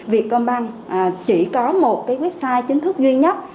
việt quang banh chỉ có một website chính thức duy nhất